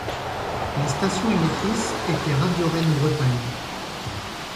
La station émettrice était Radio Rennes Bretagne.